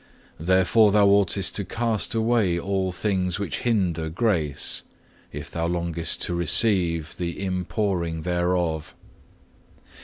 Therefore thou oughtest to cast away all things which hinder grace, if thou longest to receive the inpouring thereof.